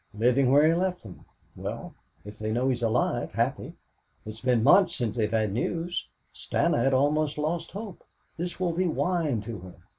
"Living where he left them well and if they know he's alive, happy. It's been months since they've had news. Stana had almost lost hope. This will be wine to her.